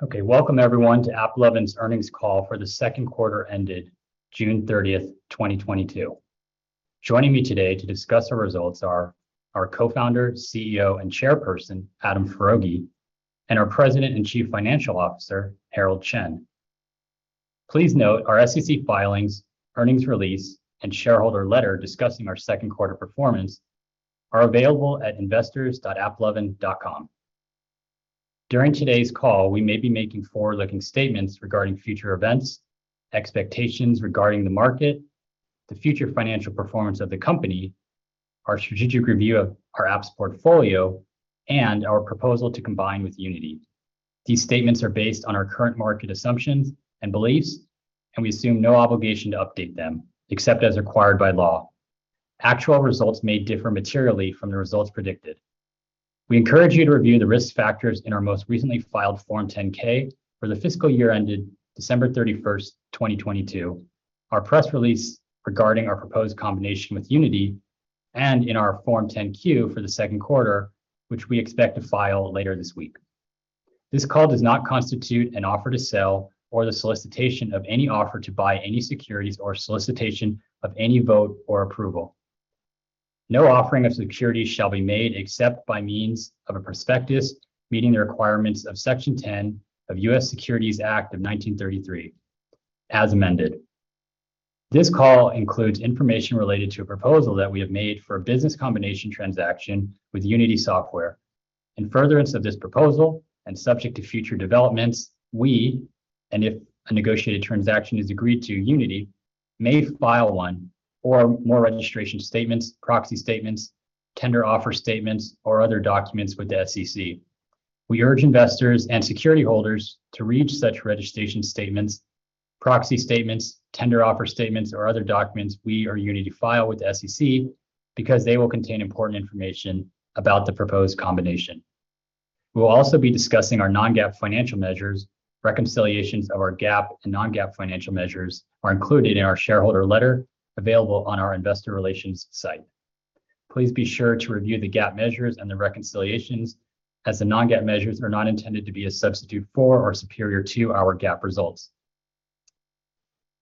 Okay, welcome everyone to AppLovin's earnings call for the second quarter ended June 30, 2022. Joining me today to discuss our results are our Co-Founder, CEO, and Chairperson, Adam Foroughi, and our President and Chief Financial Officer, Herald Chen. Please note our SEC filings, earnings release, and shareholder letter discussing our second quarter performance are available at investors.applovin.com. During today's call, we may be making forward-looking statements regarding future events, expectations regarding the market, the future financial performance of the company, our strategic review of our apps portfolio, and our proposal to combine with Unity. These statements are based on our current market assumptions and beliefs, and we assume no obligation to update them except as required by law. Actual results may differ materially from the results predicted. We encourage you to review the risk factors in our most recently filed Form 10-K for the fiscal year ended December 31, 2022, our press release regarding our proposed combination with Unity, and in our Form 10-Q for the second quarter, which we expect to file later this week. This call does not constitute an offer to sell or the solicitation of any offer to buy any securities or solicitation of any vote or approval. No offering of securities shall be made except by means of a prospectus meeting the requirements of Section 10 of US Securities Act of 1933 as amended. This call includes information related to a proposal that we have made for a business combination transaction with Unity Software. In furtherance of this proposal and subject to future developments, we, and if a negotiated transaction is agreed to, Unity, may file one or more registration statements, proxy statements, tender offer statements, or other documents with the SEC. We urge investors and security holders to read such registration statements, proxy statements, tender offer statements or other documents we or Unity file with the SEC because they will contain important information about the proposed combination. We will also be discussing our non-GAAP financial measures. Reconciliations of our GAAP and non-GAAP financial measures are included in our shareholder letter available on our investor relations site. Please be sure to review the GAAP measures and the reconciliations as the non-GAAP measures are not intended to be a substitute for or superior to our GAAP results.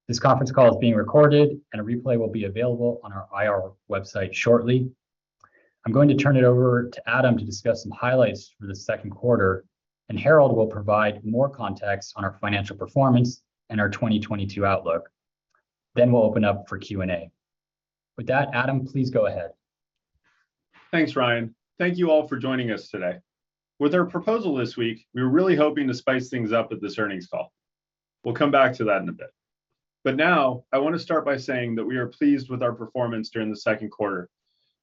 This conference call is being recorded and a replay will be available on our IR website shortly. I'm going to turn it over to Adam to discuss some highlights for the second quarter, and Herald will provide more context on our financial performance and our 2022 outlook. We'll open up for Q&A. With that, Adam, please go ahead. Thanks, Ryan. Thank you all for joining us today. With our proposal this week, we were really hoping to spice things up with this earnings call. We'll come back to that in a bit. Now I want to start by saying that we are pleased with our performance during the second quarter.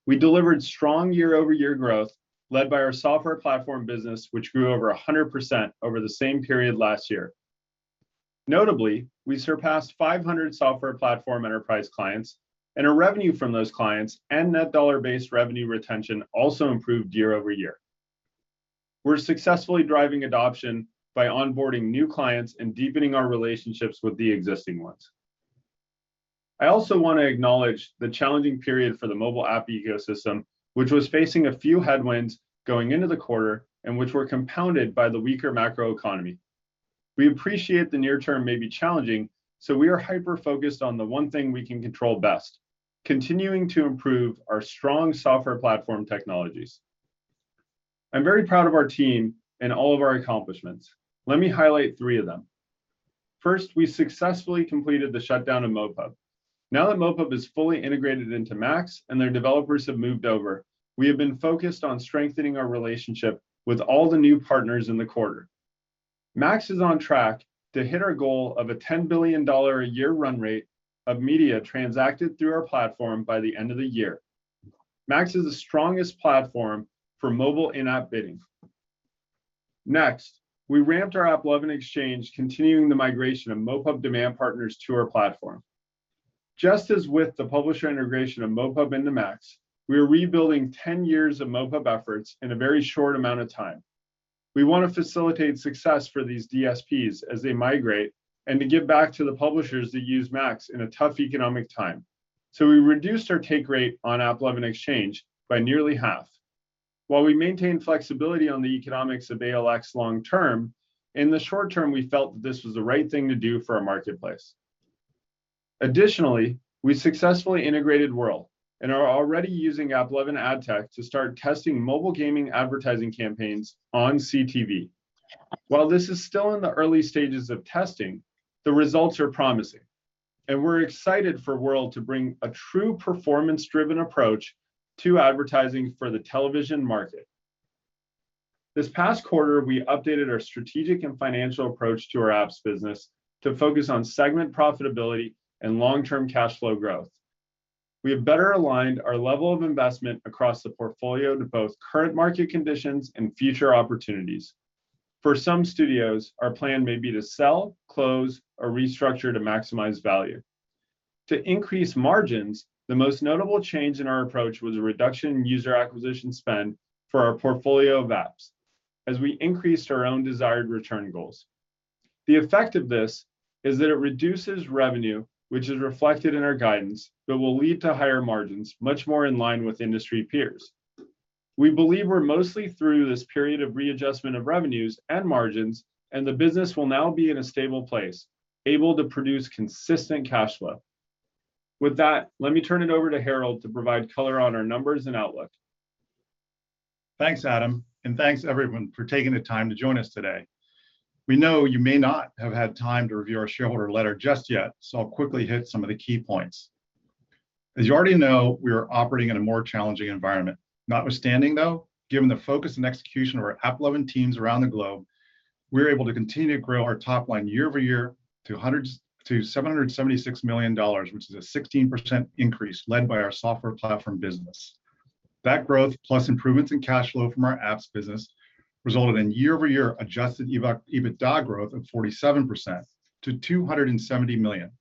We delivered strong year-over-year growth led by our software platform business, which grew over 100% over the same period last year. Notably, we surpassed 500 software platform enterprise clients, and our revenue from those clients and net dollar-based revenue retention also improved year-over-year. We're successfully driving adoption by onboarding new clients and deepening our relationships with the existing ones. I also want to acknowledge the challenging period for the mobile app ecosystem, which was facing a few headwinds going into the quarter and which were compounded by the weaker macroeconomy. We appreciate the near term may be challenging, so we are hyper-focused on the one thing we can control best, continuing to improve our strong software platform technologies. I'm very proud of our team and all of our accomplishments. Let me highlight three of them. First, we successfully completed the shutdown of MoPub. Now that MoPub is fully integrated into MAX and their developers have moved over, we have been focused on strengthening our relationship with all the new partners in the quarter. MAX is on track to hit our goal of a $10 billion a year run rate of media transacted through our platform by the end of the year. MAX is the strongest platform for mobile in-app bidding. Next, we ramped our AppLovin Exchange, continuing the migration of MoPub demand partners to our platform. Just as with the publisher integration of MoPub into MAX, we are rebuilding ten years of MoPub efforts in a very short amount of time. We want to facilitate success for these DSPs as they migrate and to give back to the publishers that use MAX in a tough economic time. We reduced our take rate on AppLovin Exchange by nearly half. While we maintain flexibility on the economics of ALX long term, in the short term, we felt that this was the right thing to do for our marketplace. Additionally, we successfully integrated Wurl and are already using AppLovin ad tech to start testing mobile gaming advertising campaigns on CTV. While this is still in the early stages of testing, the results are promising, and we're excited for Wurl to bring a true performance-driven approach to advertising for the television market. This past quarter, we updated our strategic and financial approach to our apps business to focus on segment profitability and long-term cash flow growth. We have better aligned our level of investment across the portfolio to both current market conditions and future opportunities. For some studios, our plan may be to sell, close, or restructure to maximize value. To increase margins, the most notable change in our approach was a reduction in user acquisition spend for our portfolio of apps as we increased our own desired return goals. The effect of this is that it reduces revenue, which is reflected in our guidance, but will lead to higher margins, much more in line with industry peers. We believe we're mostly through this period of readjustment of revenues and margins, and the business will now be in a stable place, able to produce consistent cash flow. With that, let me turn it over to Herald to provide color on our numbers and outlook. Thanks, Adam, and thanks everyone for taking the time to join us today. We know you may not have had time to review our shareholder letter just yet, so I'll quickly hit some of the key points. As you already know, we are operating in a more challenging environment. Notwithstanding though, given the focus and execution of our AppLovin teams around the globe, we're able to continue to grow our top line year-over-year to $776 million, which is a 16% increase led by our software platform business. That growth plus improvements in cash flow from our apps business resulted in year-over-year Adjusted EBITDA growth of 47% to $270 million.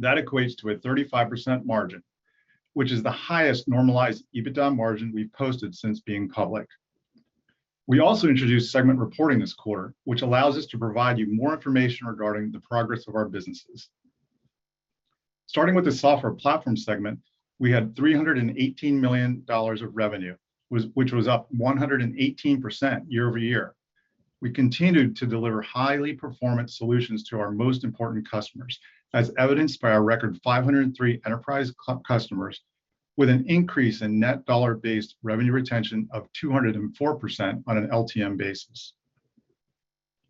That equates to a 35% margin, which is the highest normalized EBITDA margin we've posted since being public. We also introduced segment reporting this quarter, which allows us to provide you more information regarding the progress of our businesses. Starting with the software platform segment, we had $318 million of revenue, which was up 118% year-over-year. We continued to deliver highly performant solutions to our most important customers, as evidenced by our record 503 enterprise customers, with an increase in net dollar-based revenue retention of 204% on an LTM basis.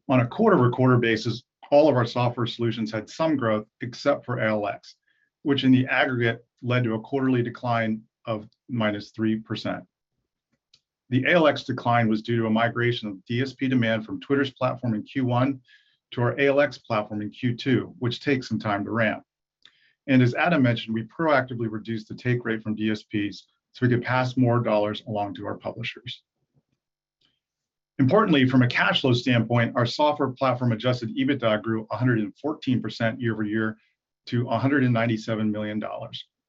On a quarter-over-quarter basis, all of our software solutions had some growth except for ALX, which in the aggregate led to a quarterly decline of -3%. The ALX decline was due to a migration of DSP demand from Twitter's platform in Q1 to our ALX platform in Q2, which takes some time to ramp. As Adam mentioned, we proactively reduced the take rate from DSPs so we could pass more dollars along to our publishers. Importantly, from a cash flow standpoint, our software platform Adjusted EBITDA grew 114% year-over-year to $197 million,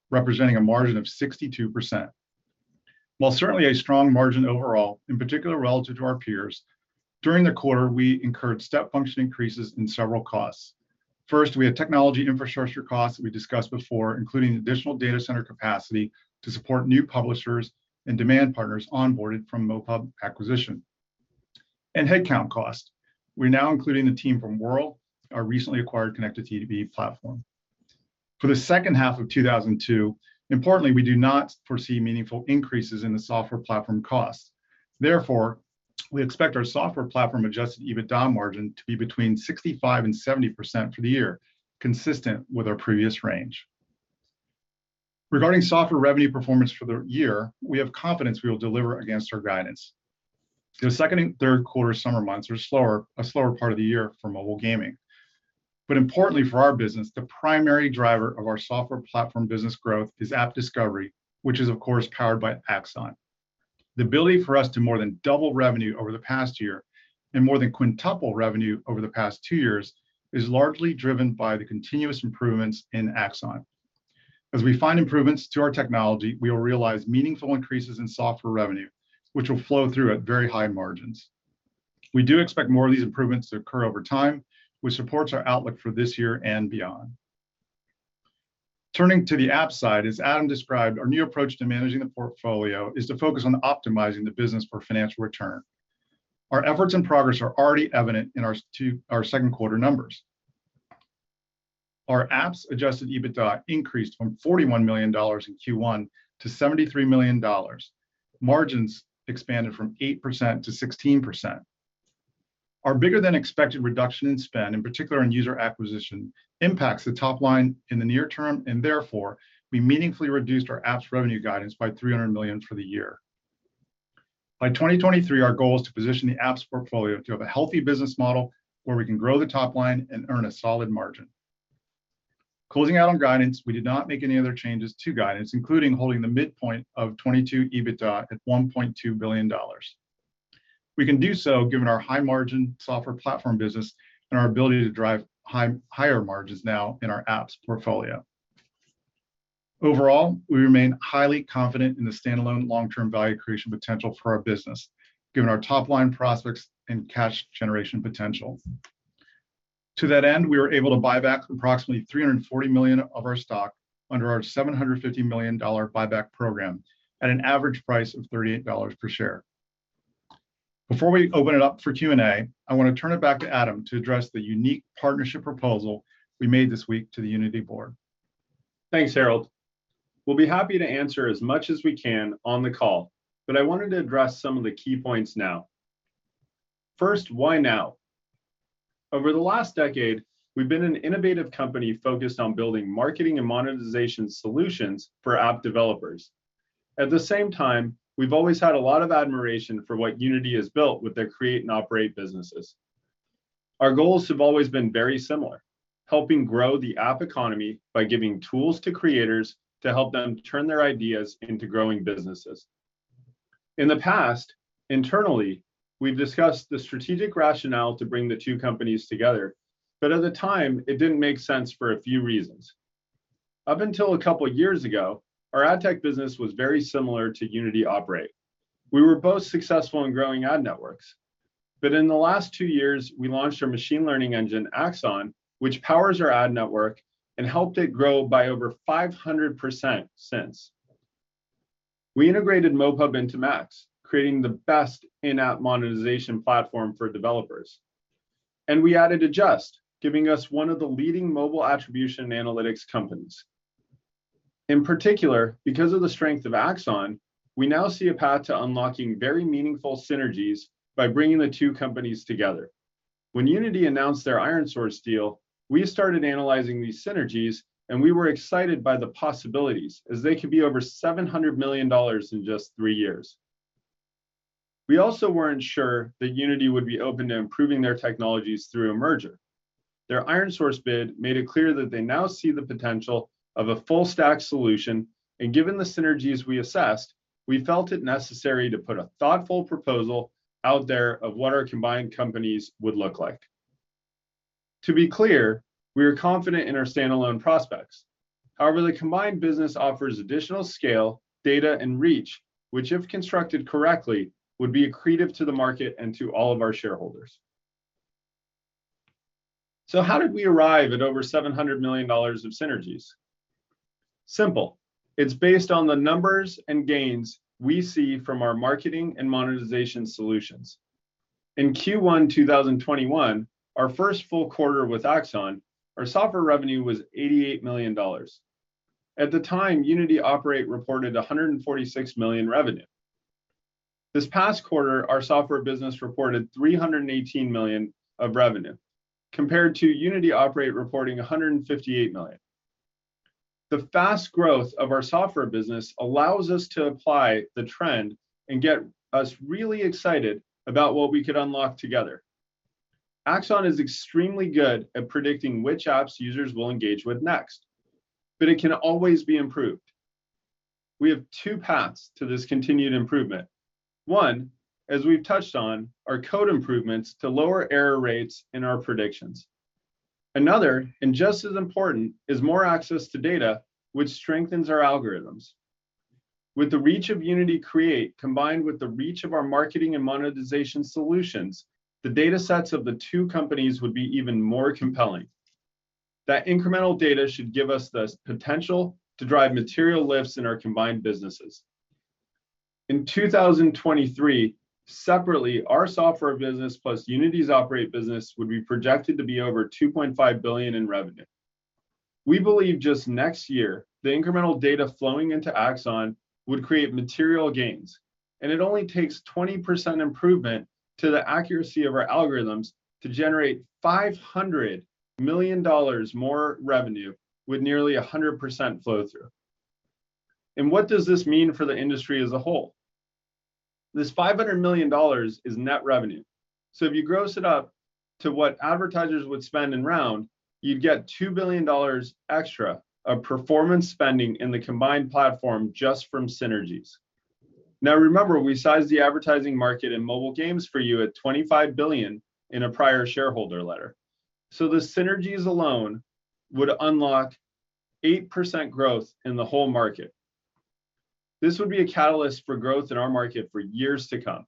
representing a margin of 62%. While certainly a strong margin overall, in particular relative to our peers, during the quarter we incurred step function increases in several costs. First, we had technology infrastructure costs that we discussed before, including additional data center capacity to support new publishers and demand partners onboarded from MoPub acquisition. Headcount costs. We're now including the team from Wurl, our recently acquired connected TV platform. For the second half of 2022, importantly, we do not foresee meaningful increases in the software platform costs. Therefore, we expect our software platform Adjusted EBITDA margin to be between 65%-70% for the year, consistent with our previous range. Regarding software revenue performance for the year, we have confidence we will deliver against our guidance. The second and third quarter summer months are slower, a slower part of the year for mobile gaming. Importantly for our business, the primary driver of our software platform business growth is app discovery, which is of course powered by Axon. The ability for us to more than double revenue over the past year and more than quintuple revenue over the past two years is largely driven by the continuous improvements in Axon. As we find improvements to our technology, we will realize meaningful increases in software revenue, which will flow through at very high margins. We do expect more of these improvements to occur over time, which supports our outlook for this year and beyond. Turning to the app side, as Adam described, our new approach to managing the portfolio is to focus on optimizing the business for financial return. Our efforts and progress are already evident in our second quarter numbers. Our apps Adjusted EBITDA increased from $41 million in Q1 to $73 million. Margins expanded from 8% to 16%. Our bigger than expected reduction in spend, in particular on user acquisition, impacts the top line in the near term, and therefore, we meaningfully reduced our apps revenue guidance by $300 million for the year. By 2023, our goal is to position the apps portfolio to have a healthy business model where we can grow the top line and earn a solid margin. Closing out on guidance, we did not make any other changes to guidance, including holding the midpoint of 2022 EBITDA at $1.2 billion. We can do so given our high-margin software platform business and our ability to drive higher margins now in our apps portfolio. Overall, we remain highly confident in the standalone long-term value creation potential for our business, given our top-line prospects and cash generation potential. To that end, we were able to buy back approximately $340 million of our stock under our $750 million buyback program at an average price of $38 per share. Before we open it up for Q&A, I want to turn it back to Adam to address the unique partnership proposal we made this week to the Unity board. Thanks, Herald. We'll be happy to answer as much as we can on the call, but I wanted to address some of the key points now. First, why now? Over the last decade, we've been an innovative company focused on building marketing and monetization solutions for app developers. At the same time, we've always had a lot of admiration for what Unity has built with their Create and Operate businesses. Our goals have always been very similar, helping grow the app economy by giving tools to creators to help them turn their ideas into growing businesses. In the past, internally, we've discussed the strategic rationale to bring the two companies together, but at the time, it didn't make sense for a few reasons. Up until a couple years ago, our ad tech business was very similar to Unity Operate. We were both successful in growing ad networks. In the last 2 years, we launched our machine learning engine, Axon, which powers our ad network and helped it grow by over 500% since. We integrated MoPub into MAX, creating the best in-app monetization platform for developers. We added Adjust, giving us one of the leading mobile attribution analytics companies. In particular, because of the strength of Axon, we now see a path to unlocking very meaningful synergies by bringing the two companies together. When Unity announced their ironSource deal, we started analyzing these synergies, and we were excited by the possibilities, as they could be over $700 million in just 3 years. We also weren't sure that Unity would be open to improving their technologies through a merger. Their ironSource bid made it clear that they now see the potential of a full stack solution, and given the synergies we assessed, we felt it necessary to put a thoughtful proposal out there of what our combined companies would look like. To be clear, we are confident in our standalone prospects. However, the combined business offers additional scale, data and reach, which if constructed correctly, would be accretive to the market and to all of our shareholders. How did we arrive at over $700 million of synergies? Simple. It's based on the numbers and gains we see from our marketing and monetization solutions. In Q1 2021, our first full quarter with Axon, our software revenue was $88 million. At the time, Unity Operate reported $146 million revenue. This past quarter, our software business reported $318 million of revenue, compared to Unity Operate reporting $158 million. The fast growth of our software business allows us to apply the trend and get us really excited about what we could unlock together. Axon is extremely good at predicting which apps users will engage with next, but it can always be improved. We have two paths to this continued improvement. One, as we've touched on, are code improvements to lower error rates in our predictions. Another, and just as important, is more access to data which strengthens our algorithms. With the reach of Unity Create combined with the reach of our marketing and monetization solutions, the data sets of the two companies would be even more compelling. That incremental data should give us the potential to drive material lifts in our combined businesses. In 2023, separately, our software business plus Unity's Operate business would be projected to be over $2.5 billion in revenue. We believe just next year, the incremental data flowing into Axon would create material gains, and it only takes 20% improvement to the accuracy of our algorithms to generate $500 million more revenue with nearly 100% flow through. What does this mean for the industry as a whole? This $500 million is net revenue. If you gross it up to what advertisers would spend in round, you'd get $2 billion extra of performance spending in the combined platform just from synergies. Now remember, we sized the advertising market in mobile games for you at $25 billion in a prior shareholder letter. The synergies alone would unlock 8% growth in the whole market. This would be a catalyst for growth in our market for years to come.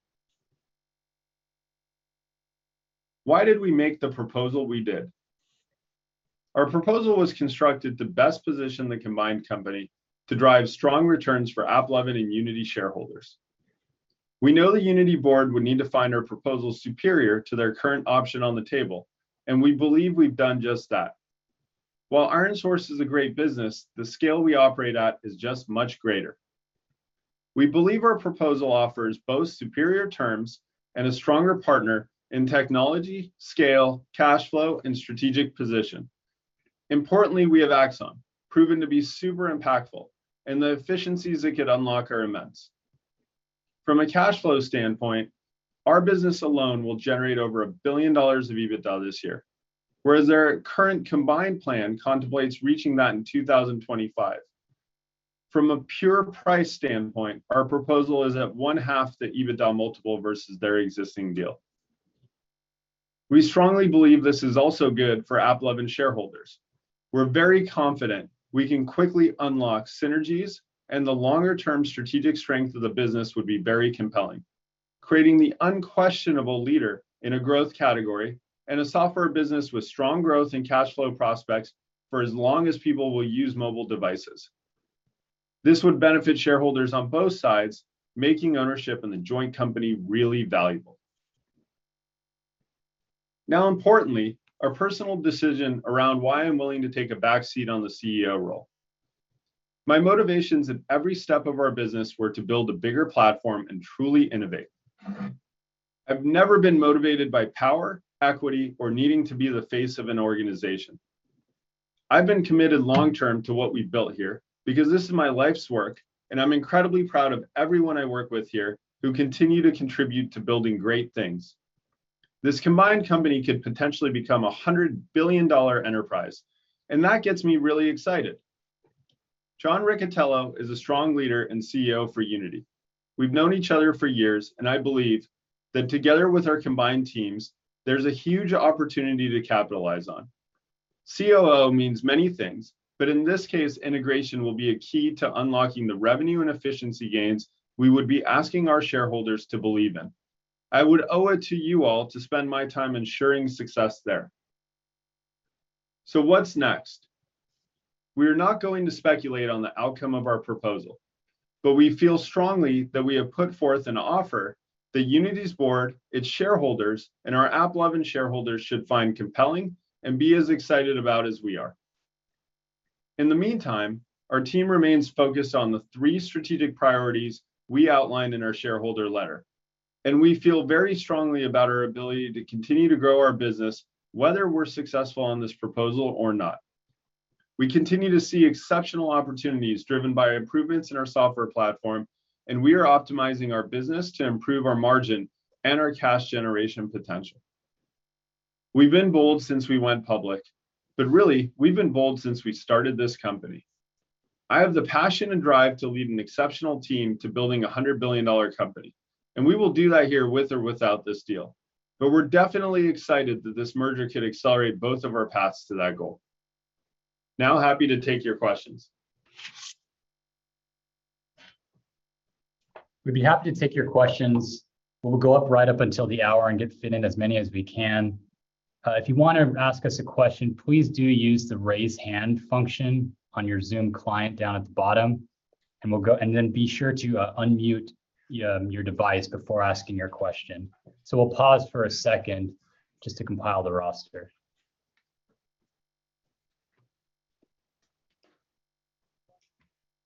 Why did we make the proposal we did? Our proposal was constructed to best position the combined company to drive strong returns for AppLovin and Unity shareholders. We know the Unity board would need to find our proposal superior to their current option on the table, and we believe we've done just that. While ironSource is a great business, the scale we operate at is just much greater. We believe our proposal offers both superior terms and a stronger partner in technology, scale, cash flow, and strategic position. Importantly, we have Axon, proven to be super impactful, and the efficiencies it could unlock are immense. From a cash flow standpoint, our business alone will generate over $1 billion of EBITDA this year, whereas their current combined plan contemplates reaching that in 2025. From a pure price standpoint, our proposal is at one half the EBITDA multiple versus their existing deal. We strongly believe this is also good for AppLovin shareholders. We're very confident we can quickly unlock synergies, and the longer-term strategic strength of the business would be very compelling, creating the unquestionable leader in a growth category and a software business with strong growth and cash flow prospects for as long as people will use mobile devices. This would benefit shareholders on both sides, making ownership in the joint company really valuable. Now importantly, our personal decision around why I'm willing to take a back seat on the CEO role. My motivations at every step of our business were to build a bigger platform and truly innovate. I've never been motivated by power, equity, or needing to be the face of an organization. I've been committed long term to what we've built here because this is my life's work and I'm incredibly proud of everyone I work with here who continue to contribute to building great things. This combined company could potentially become a $100 billion enterprise, and that gets me really excited. John Riccitiello is a strong leader and CEO for Unity. We've known each other for years, and I believe that together with our combined teams, there's a huge opportunity to capitalize on. COO means many things, but in this case, integration will be a key to unlocking the revenue and efficiency gains we would be asking our shareholders to believe in. I would owe it to you all to spend my time ensuring success there. What's next? We are not going to speculate on the outcome of our proposal, but we feel strongly that we have put forth an offer that Unity's board, its shareholders, and our AppLovin shareholders should find compelling and be as excited about as we are. In the meantime, our team remains focused on the three strategic priorities we outlined in our shareholder letter, and we feel very strongly about our ability to continue to grow our business, whether we're successful on this proposal or not. We continue to see exceptional opportunities driven by improvements in our software platform, and we are optimizing our business to improve our margin and our cash generation potential. We've been bold since we went public, but really, we've been bold since we started this company. I have the passion and drive to lead an exceptional team to building a 100-billion-dollar company, and we will do that here with or without this deal. We're definitely excited that this merger could accelerate both of our paths to that goal. Now happy to take your questions. We'd be happy to take your questions. We'll go up until the hour and get in as many as we can. If you wanna ask us a question, please do use the raise hand function on your Zoom client down at the bottom, and we'll go. Then be sure to unmute your device before asking your question. We'll pause for a second just to compile the roster.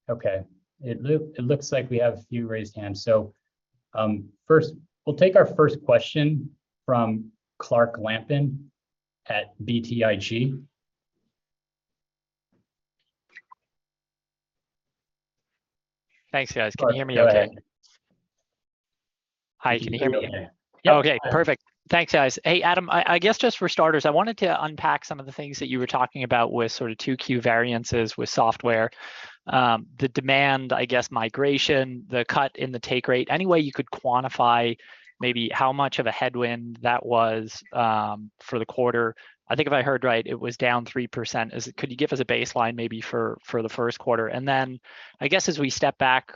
Okay. It looks like we have a few raised hands. First, we'll take our first question from Clark Lampen at BTIG. Thanks, guys. Can you hear me okay? Clark, go ahead. Hi, can you hear me? We can hear you. Okay, perfect. Thanks, guys. Hey, Adam, I guess just for starters, I wanted to unpack some of the things that you were talking about with sort of 2Q variances with software, the demand, I guess migration, the cut in the take rate. Any way you could quantify maybe how much of a headwind that was for the quarter. I think if I heard right, it was down 3%. Could you give us a baseline maybe for the first quarter? I guess as we step back,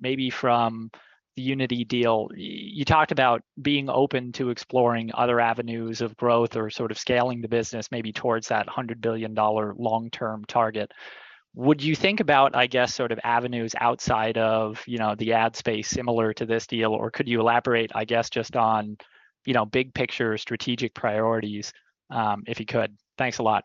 maybe from the Unity deal, you talked about being open to exploring other avenues of growth or sort of scaling the business maybe towards that $100 billion long-term target. Would you think about, I guess, sort of avenues outside of, you know, the ad space similar to this deal? Could you elaborate, I guess, just on, you know, big picture strategic priorities, if you could? Thanks a lot.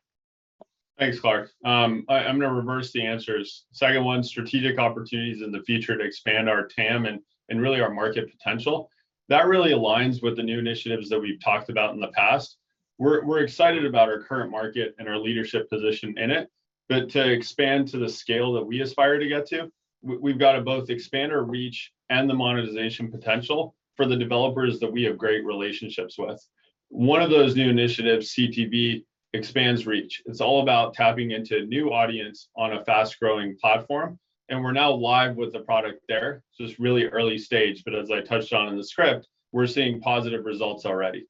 Thanks, Clark. I'm gonna reverse the answers. Second one, strategic opportunities in the future to expand our TAM and really our market potential. That really aligns with the new initiatives that we've talked about in the past. We're excited about our current market and our leadership position in it. To expand to the scale that we aspire to get to, we've got to both expand our reach and the monetization potential for the developers that we have great relationships with. One of those new initiatives, CTV, expands reach. It's all about tapping into a new audience on a fast-growing platform, and we're now live with the product there. It's really early stage, but as I touched on in the script, we're seeing positive results already.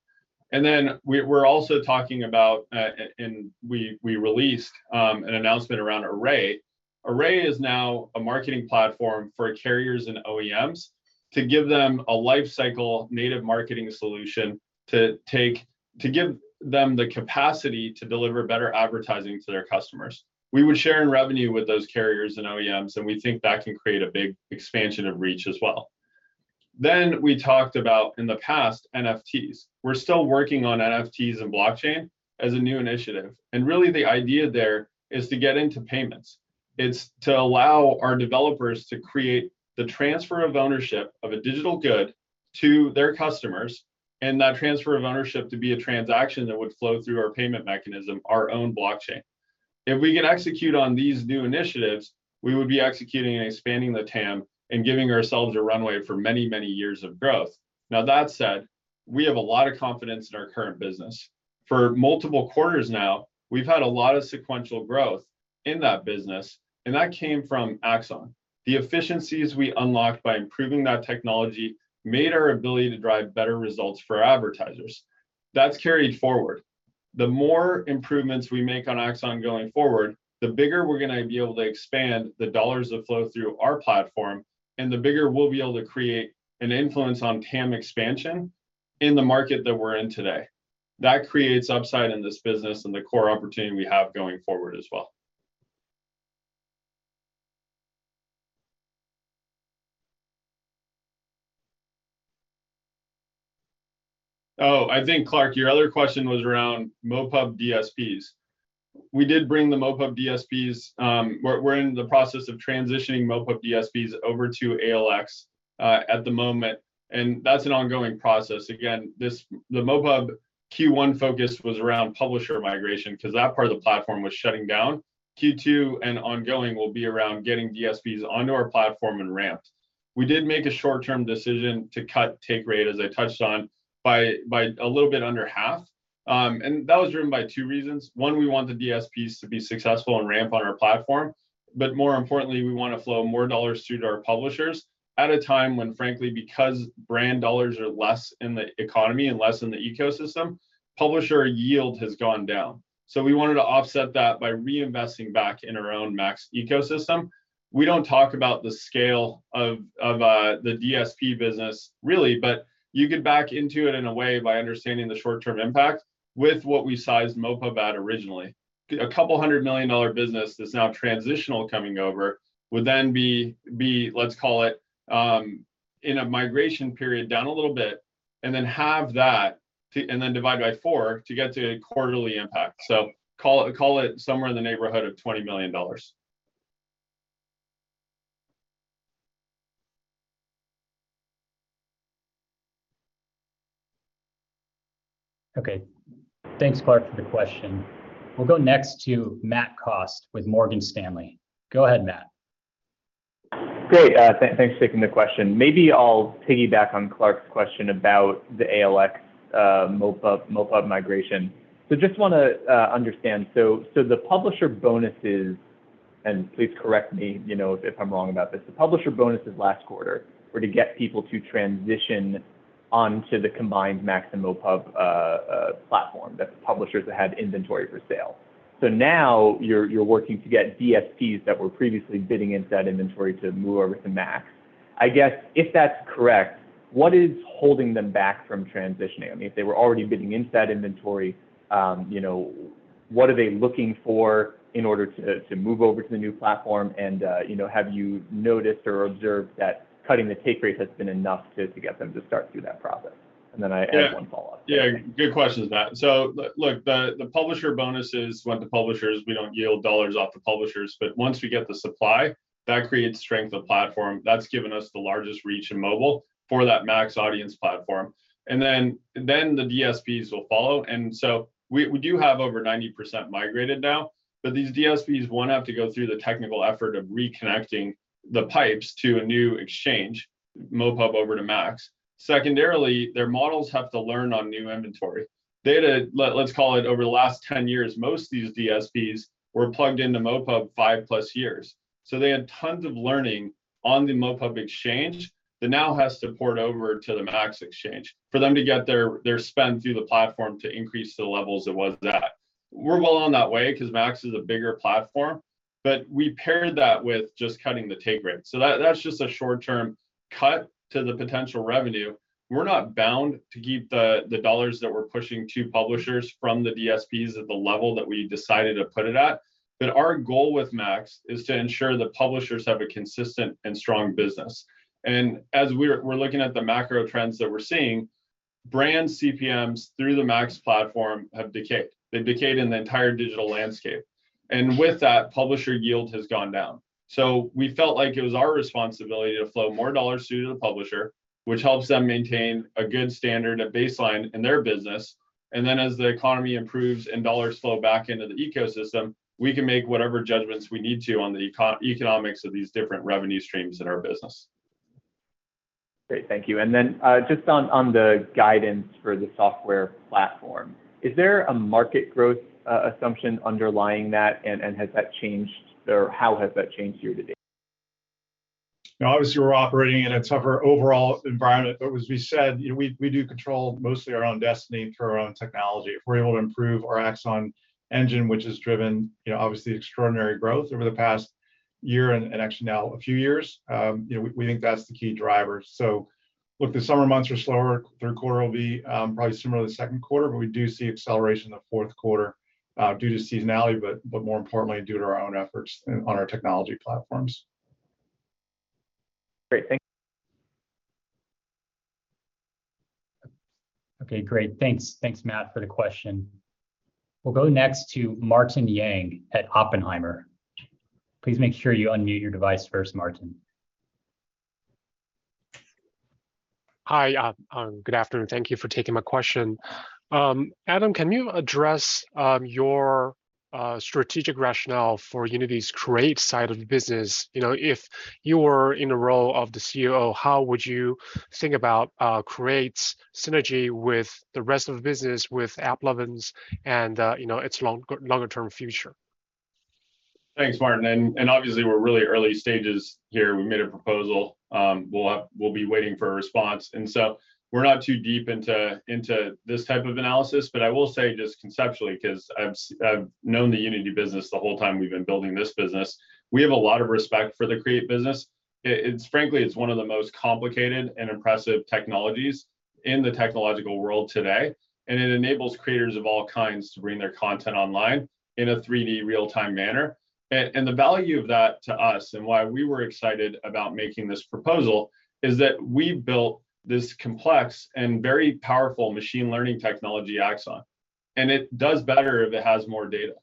Then we're also talking about, and we released an announcement around Array. Array is now a marketing platform for carriers and OEMs to give them a lifecycle native marketing solution to give them the capacity to deliver better advertising to their customers. We would share in revenue with those carriers and OEMs, and we think that can create a big expansion of reach as well. We talked about in the past, NFTs. We're still working on NFTs and blockchain as a new initiative, and really the idea there is to get into payments. It's to allow our developers to create the transfer of ownership of a digital good to their customers, and that transfer of ownership to be a transaction that would flow through our payment mechanism, our own blockchain. If we can execute on these new initiatives, we would be executing and expanding the TAM and giving ourselves a runway for many, many years of growth. Now, that said, we have a lot of confidence in our current business. For multiple quarters now, we've had a lot of sequential growth in that business, and that came from Axon. The efficiencies we unlocked by improving that technology made our ability to drive better results for advertisers. That's carried forward. The more improvements we make on Axon going forward, the bigger we're gonna be able to expand the dollars that flow through our platform, and the bigger we'll be able to create an influence on TAM expansion in the market that we're in today. That creates upside in this business and the core opportunity we have going forward as well. Oh, I think, Clark, your other question was around MoPub DSPs. We did bring the MoPub DSPs. We're in the process of transitioning MoPub DSPs over to ALX at the moment, and that's an ongoing process. Again, this, the MoPub Q1 focus was around publisher migration because that part of the platform was shutting down. Q2 and ongoing will be around getting DSPs onto our platform and ramped. We did make a short-term decision to cut take rate, as I touched on, by a little bit under half, and that was driven by two reasons. One, we want the DSPs to be successful and ramp on our platform. More importantly, we wanna flow more dollars to our publishers at a time when, frankly, because brand dollars are less in the economy and less in the ecosystem, publisher yield has gone down. We wanted to offset that by reinvesting back in our own MAX ecosystem. We don't talk about the scale of the DSP business really, but you get back into it in a way by understanding the short-term impact with what we sized MoPub at originally. A couple hundred million-dollar business that's now transitional coming over would then be, let's call it, in a migration period down a little bit, and then halve that and then divide by four to get to a quarterly impact. Call it somewhere in the neighborhood of $20 million. Okay. Thanks, Clark, for the question. We'll go next to Matthew Cost with Morgan Stanley. Go ahead, Matt. Great. Thanks for taking the question. Maybe I'll piggyback on Clark's question about the ALX, MoPub migration. Just wanna understand. The publisher bonuses, and please correct me, you know, if I'm wrong about this, the publisher bonuses last quarter were to get people to transition onto the combined MAX and MoPub platform. That's publishers that had inventory for sale. Now you're working to get DSPs that were previously bidding into that inventory to move over to MAX. I guess if that's correct, what is holding them back from transitioning? I mean, if they were already bidding into that inventory, you know, what are they looking for in order to move over to the new platform? You know, have you noticed or observed that cutting the take rate has been enough to get them to start through that process? Then I have one follow-up. Yeah. Good question, Matt. Look, the publisher bonuses went to publishers. We don't yield dollars off to publishers, but once we get the supply, that creates strength of platform. That's given us the largest reach in mobile for that MAX audience platform. Then the DSPs will follow. We do have over 90% migrated now, but these DSPs one, have to go through the technical effort of reconnecting the pipes to a new exchange, MoPub over to MAX. Secondarily, their models have to learn on new inventory. Data, let's call it over the last 10 years, most of these DSPs were plugged into MoPub 5+ years. They had tons of learning on the MoPub exchange that now has to port over to the MAX exchange for them to get their spend through the platform to increase to the levels it was at. We're well on that way because MAX is a bigger platform, but we paired that with just cutting the take rate. That's just a short-term cut to the potential revenue. We're not bound to keep the dollars that we're pushing to publishers from the DSPs at the level that we decided to put it at. Our goal with MAX is to ensure that publishers have a consistent and strong business. As we're looking at the macro trends that we're seeing, brand CPMs through the MAX platform have decayed. They've decayed in the entire digital landscape. With that, publisher yield has gone down. We felt like it was our responsibility to flow more dollars to the publisher, which helps them maintain a good standard, a baseline in their business. Then as the economy improves and dollars flow back into the ecosystem, we can make whatever judgments we need to on the economics of these different revenue streams in our business. Great. Thank you. Just on the guidance for the software platform, is there a market growth assumption underlying that? Has that changed or how has that changed year to date? Now obviously we're operating in a tougher overall environment, but as we said, you know, we do control mostly our own destiny through our own technology. If we're able to improve our Axon engine, which has driven, you know, obviously extraordinary growth over the past year and actually now a few years, you know, we think that's the key driver. Look, the summer months are slower. Third quarter will be probably similar to second quarter, but we do see acceleration in the fourth quarter due to seasonality, but more importantly due to our own efforts on our technology platforms. Great. Thank you. Okay, great. Thanks. Thanks, Matt, for the question. We'll go next to Martin Yang at Oppenheimer. Please make sure you unmute your device first, Martin. Hi. Good afternoon. Thank you for taking my question. Adam, can you address your strategic rationale for Unity's Create side of the business? You know, if you were in the role of the COO, how would you think about Create's synergy with the rest of the business with AppLovin's and you know, its longer-term future? Thanks, Martin, obviously we're really early stages here. We made a proposal. We'll be waiting for a response. We're not too deep into this type of analysis, but I will say just conceptually, 'cause I've known the Unity business the whole time we've been building this business, we have a lot of respect for the Create business. Frankly, it's one of the most complicated and impressive technologies in the technological world today, and it enables creators of all kinds to bring their content online in a 3D real-time manner. The value of that to us and why we were excited about making this proposal is that we built this complex and very powerful machine learning technology, Axon, and it does better if it has more data.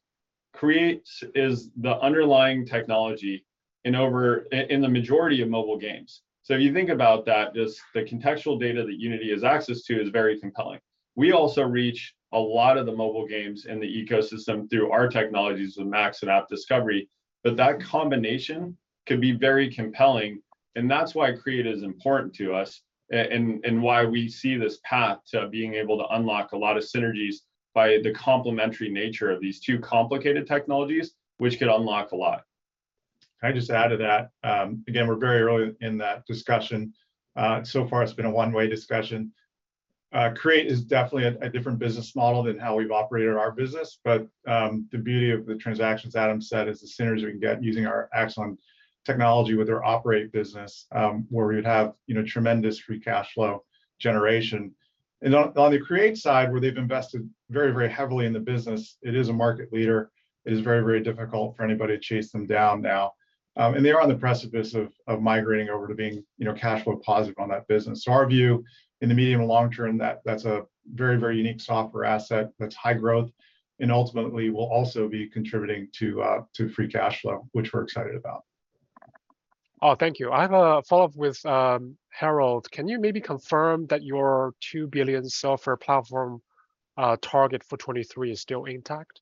Create is the underlying technology in the majority of mobile games. If you think about that, just the contextual data that Unity has access to is very compelling. We also reach a lot of the mobile games in the ecosystem through our technologies with MAX and AppDiscovery, but that combination can be very compelling, and that's why Create is important to us and why we see this path to being able to unlock a lot of synergies by the complementary nature of these two complicated technologies, which could unlock a lot. Can I just add to that? Again, we're very early in that discussion. So far it's been a one-way discussion. Create is definitely a different business model than how we've operated our business. The beauty of the transactions Adam said is the synergies we can get using our Axon technology with their Operate business, where we'd have, you know, tremendous free cash flow generation. On the Create side, where they've invested very, very heavily in the business, it is a market leader. It is very, very difficult for anybody to chase them down now. They are on the precipice of migrating over to being, you know, cash flow positive on that business. Our view in the medium and long term, that's a very unique software asset that's high growth, and ultimately will also be contributing to free cash flow, which we're excited about. Oh, thank you. I have a follow-up with Herald. Can you maybe confirm that your $2 billion software platform target for 2023 is still intact?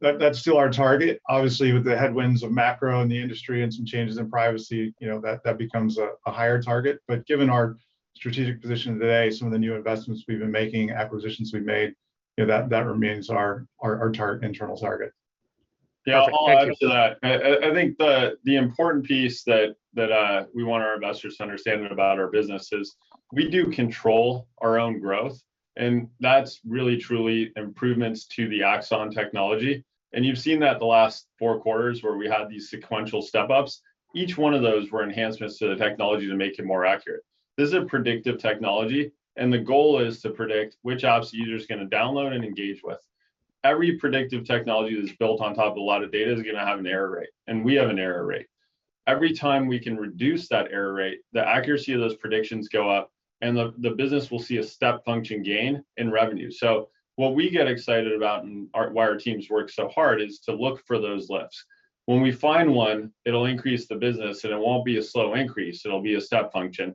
That's still our target. Obviously, with the headwinds of macro in the industry and some changes in privacy, you know, that becomes a higher target. Given our strategic position today, some of the new investments we've been making, acquisitions we've made, you know, that remains our internal target. Yeah, I'll add to that. I think the important piece that we want our investors to understand about our business is we do control our own growth, and that's really truly improvements to the Axon technology. You've seen that the last four quarters where we had these sequential step-ups. Each one of those were enhancements to the technology to make it more accurate. This is a predictive technology, and the goal is to predict which apps the user's gonna download and engage with. Every predictive technology that's built on top of a lot of data is gonna have an error rate, and we have an error rate. Every time we can reduce that error rate, the accuracy of those predictions go up, and the business will see a step function gain in revenue. What we get excited about and why our teams work so hard is to look for those lifts. When we find one, it'll increase the business, and it won't be a slow increase, it'll be a step function.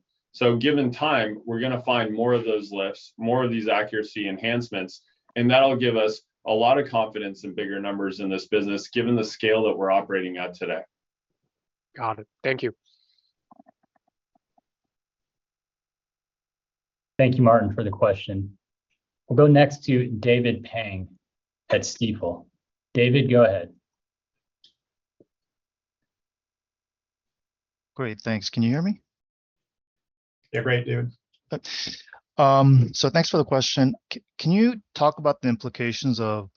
Given time, we're gonna find more of those lifts, more of these accuracy enhancements, and that'll give us a lot of confidence and bigger numbers in this business, given the scale that we're operating at today. Got it. Thank you. Thank you, Martin, for the question. We'll go next to David Pang at Stifel. David, go ahead. Great. Thanks. Can you hear me? Yeah. Great, David. Thanks for the question. Can you talk about the implications of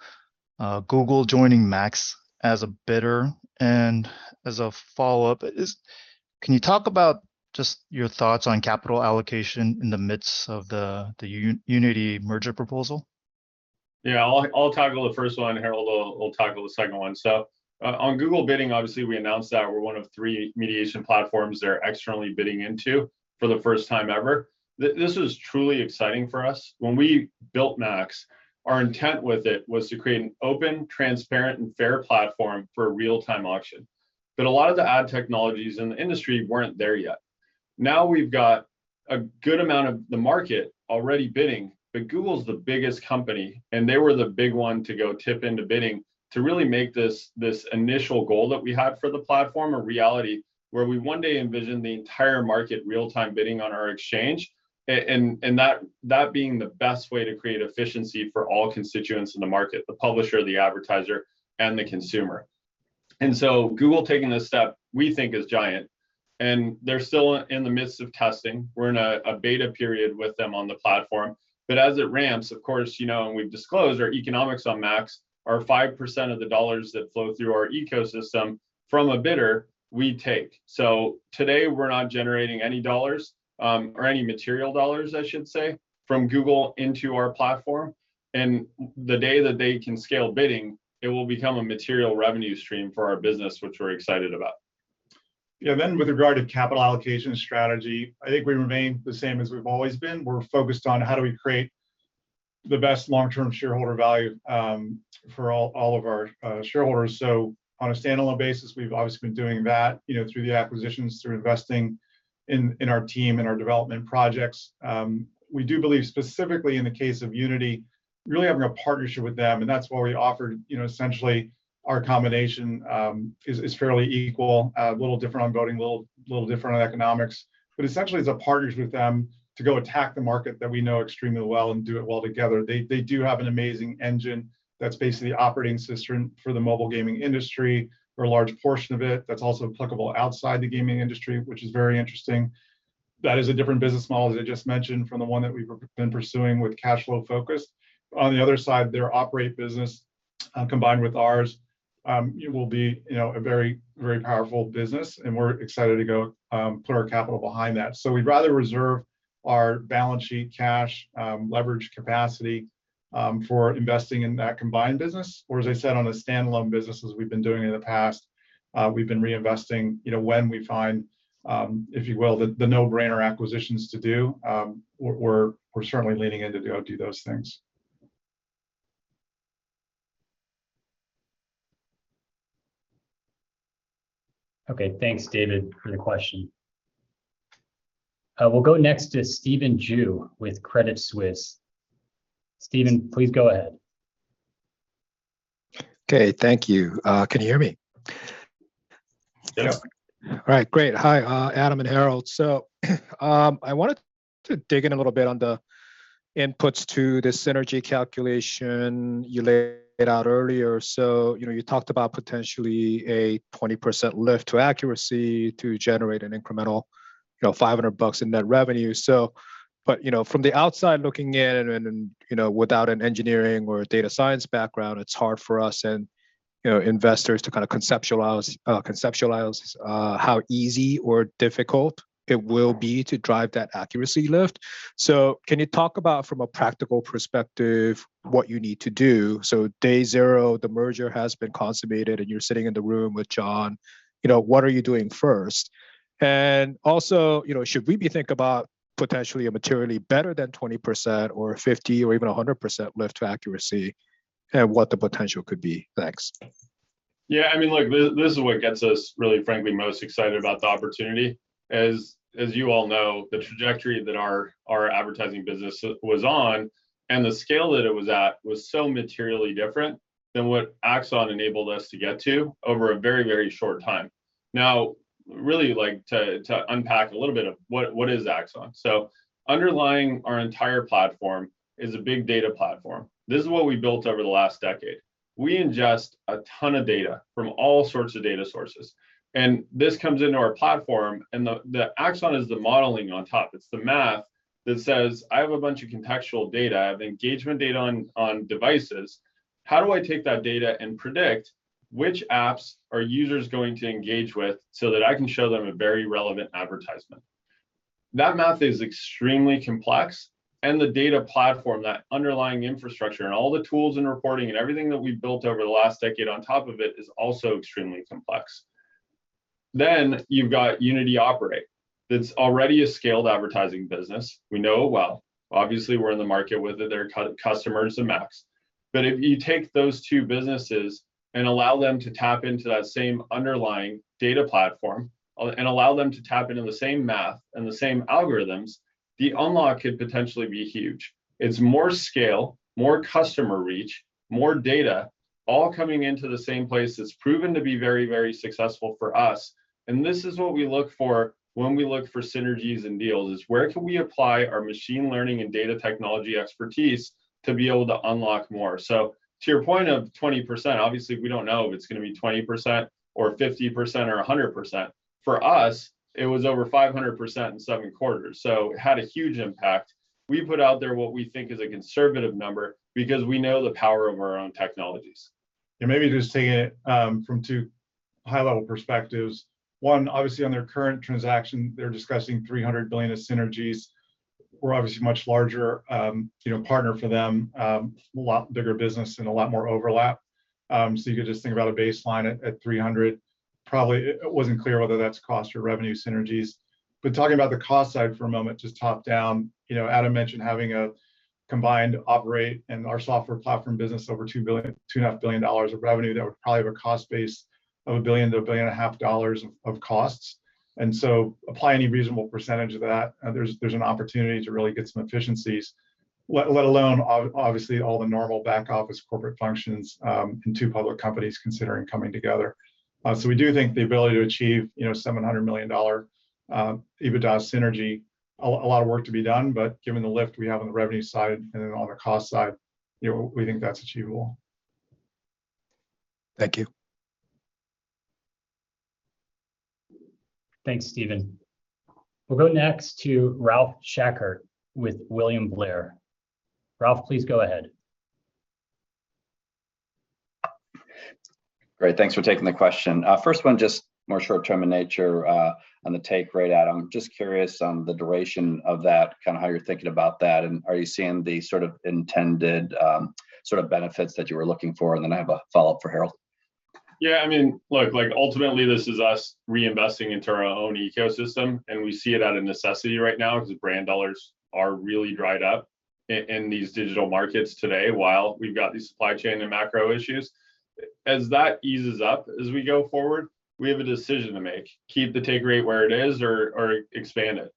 Google joining MAX as a bidder? As a follow-up, can you talk about just your thoughts on capital allocation in the midst of the Unity merger proposal? Yeah. I'll tackle the first one, and Herald will tackle the second one. On Google bidding, obviously, we announced that we're one of three mediation platforms they're externally bidding into for the first time ever. This was truly exciting for us. When we built MAX, our intent with it was to create an open, transparent, and fair platform for a real-time auction. But a lot of the ad technologies in the industry weren't there yet. Now we've got a good amount of the market already bidding, but Google's the biggest company, and they were the big one to go dip into bidding to really make this initial goal that we had for the platform a reality, where we one day envision the entire market real-time bidding on our exchange. Being the best way to create efficiency for all constituents in the market, the publisher, the advertiser, and the consumer. Google taking this step, we think, is giant, and they're still in the midst of testing. We're in a beta period with them on the platform. As it ramps, of course, you know, and we've disclosed our economics on MAX, are 5% of the dollars that flow through our ecosystem from a bidder we take. Today, we're not generating any dollars, or any material dollars, I should say, from Google into our platform. The day that they can scale bidding, it will become a material revenue stream for our business, which we're excited about. Yeah. With regard to capital allocation strategy, I think we remain the same as we've always been. We're focused on how do we create the best long-term shareholder value, for all of our shareholders. On a standalone basis, we've obviously been doing that, you know, through the acquisitions, through investing in our team and our development projects. We do believe specifically in the case of Unity, really having a partnership with them, and that's why we offered, you know, essentially our combination is fairly equal. A little different on voting, a little different on economics. Essentially it's a partnership with them to go attack the market that we know extremely well and do it well together. They do have an amazing engine that's basically operating system for the mobile gaming industry or a large portion of it, that's also applicable outside the gaming industry, which is very interesting. That is a different business model, as I just mentioned, from the one that we've been pursuing with cash flow focus. On the other side, their Operate business combined with ours, it will be, you know, a very, very powerful business, and we're excited to go put our capital behind that. We'd rather reserve our balance sheet cash, leverage capacity, for investing in that combined business. As I said, on a standalone business, as we've been doing in the past, we've been reinvesting, you know, when we find, if you will, the no-brainer acquisitions to do. We're certainly leaning in to go do those things. Okay. Thanks, David, for the question. We'll go next to Stephen Ju with Credit Suisse. Steven, please go ahead. Okay. Thank you. Can you hear me? Yes. Yeah. All right. Great. Hi, Adam and Herald. I wanted to dig in a little bit on the- Inputs to the synergy calculation you laid out earlier. You know, you talked about potentially a 20% lift to accuracy to generate an incremental, you know, $500 in net revenue. You know, from the outside looking in and, you know, without an engineering or a data science background, it's hard for us and, you know, investors to kind of conceptualize how easy or difficult it will be to drive that accuracy lift. Can you talk about from a practical perspective what you need to do? Day zero, the merger has been consummated, and you're sitting in the room with John, you know, what are you doing first? Also, you know, should we be thinking about potentially a materially better than 20% or 50 or even 100% lift to accuracy and what the potential could be? Thanks. Yeah, I mean, look, this is what gets us really frankly most excited about the opportunity. As you all know, the trajectory that our advertising business was on and the scale that it was at was so materially different than what Axon enabled us to get to over a very short time. Now really like to unpack a little bit of what is Axon. So underlying our entire platform is a big data platform. This is what we built over the last decade. We ingest a ton of data from all sorts of data sources, and this comes into our platform, and the Axon is the modeling on top. It's the math that says, "I have a bunch of contextual data, I have engagement data on devices. How do I take that data and predict which apps are users going to engage with so that I can show them a very relevant advertisement?" That math is extremely complex, and the data platform, that underlying infrastructure and all the tools and reporting and everything that we've built over the last decade on top of it is also extremely complex. You've got Operate Solutions that's already a scaled advertising business. We know it well. Obviously, we're in the market with their customers and MAX. If you take those two businesses and allow them to tap into that same underlying data platform and allow them to tap into the same math and the same algorithms, the unlock could potentially be huge. It's more scale, more customer reach, more data all coming into the same place that's proven to be very, very successful for us. This is what we look for when we look for synergies and deals is where can we apply our machine learning and data technology expertise to be able to unlock more. To your point of 20%, obviously we don't know if it's gonna be 20% or 50% or 100%. For us, it was over 500% in seven quarters, so it had a huge impact. We put out there what we think is a conservative number because we know the power of our own technologies. Maybe just taking it from two high-level perspectives. One, obviously on their current transaction, they're discussing 300 billions of synergies. We're obviously a much larger, you know, partner for them, a lot bigger business and a lot more overlap. So you could just think about a baseline at 300 probably. It wasn't clear whether that's cost or revenue synergies. Talking about the cost side for a moment, just top down, you know, Adam mentioned having a combined operate and our software platform business over $2 billion-$2.5 billion of revenue that would probably have a cost base of $1 billion-$1.5 billion of costs. Apply any reasonable percentage of that. There's an opportunity to really get some efficiencies, let alone obviously all the normal back office corporate functions in two public companies considering coming together. We do think the ability to achieve, you know, $700 million EBITDA synergy. A lot of work to be done but given the lift we have on the revenue side and then on the cost side, you know, we think that's achievable. Thank you. Thanks, Stephen. We'll go next to Ralph Schackart with William Blair. Ralph, please go ahead. Great. Thanks for taking the question. First one, just more short-term in nature, on the take rate, Adam, just curious on the duration of that, kinda how you're thinking about that, and are you seeing the sort of intended, sort of benefits that you were looking for? Then I have a follow-up for Herald. Yeah, I mean, look, like ultimately this is us reinvesting into our own ecosystem, and we see it as a necessity right now 'cause brand dollars are really dried up in these digital markets today while we've got these supply chain and macro issues. As that eases up as we go forward, we have a decision to make, keep the take rate where it is or expand it.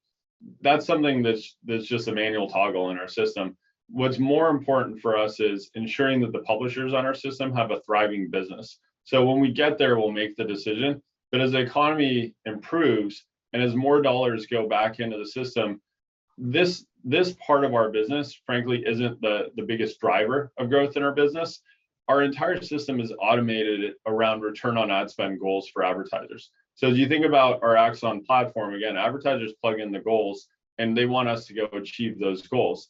That's something that's just a manual toggle in our system. What's more important for us is ensuring that the publishers on our system have a thriving business. So when we get there, we'll make the decision. But as the economy improves, and as more dollars go back into the system, this part of our business, frankly, isn't the biggest driver of growth in our bu siness. Our entire system is automated around return on ad spend goals for advertisers. As you think about our Axon platform, again, advertisers plug in the goals, and they want us to go achieve those goals.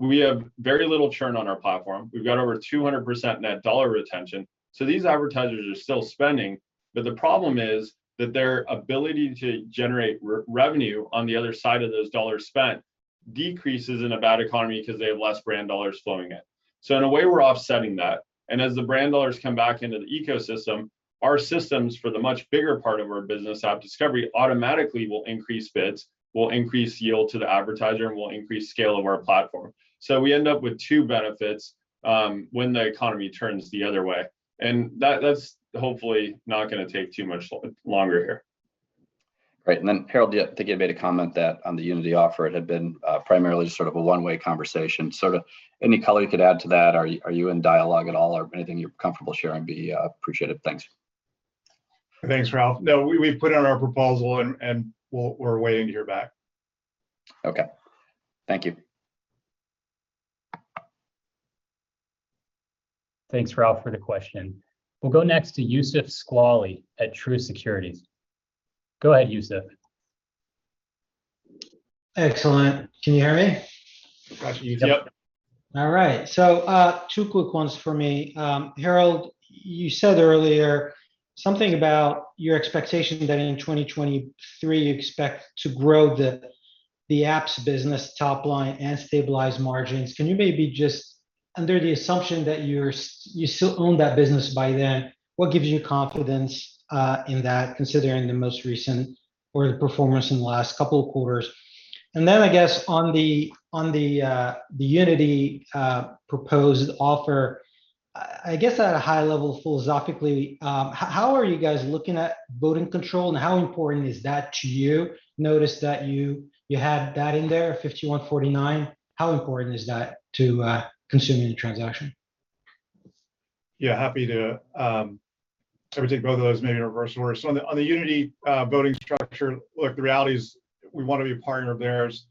We have very little churn on our platform. We've got over 200% net dollar retention, so these advertisers are still spending, but the problem is that their ability to generate revenue on the other side of those dollars spent decreases in a bad economy because they have less brand dollars flowing in. In a way, we're offsetting that, and as the brand dollars come back into the ecosystem, our systems for the much bigger part of our business AppDiscovery automatically will increase bids, will increase yield to the advertiser, and will increase scale of our platform. We end up with two benefits, when the economy turns the other way, and that's hopefully not gonna take too much longer here. Great. Herald, I think you made a comment that on the Unity offer it had been primarily sort of a one-way conversation. Sort of any color you could add to that? Are you in dialogue at all or anything you're comfortable sharing would be appreciated. Thanks. Thanks, Ralph. No, we've put in our proposal and we're waiting to hear back. Okay. Thank you. Thanks, Ralph, for the question. We'll go next to Youssef Squali at Truist Securities. Go ahead, Youssef. Excellent. Can you hear me? Got you. Yep. All right. Two quick ones for me. Herald, you said earlier something about your expectation that in 2023 you expect to grow the apps business top line and stabilize margins. Can you maybe just, under the assumption that you still own that business by then, what gives you confidence in that considering the most recent or the performance in the last couple of quarters? I guess on the Unity proposed offer, I guess at a high level philosophically, how are you guys looking at voting control, and how important is that to you? Noticed that you had that in there, 51-49. How important is that to consummating the transaction? Yeah, happy to. We take both of those maybe in reverse order. On the Unity voting structure, look, the reality is we wanna be a partner of theirs.